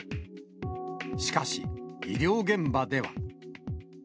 しかし、医療現場では。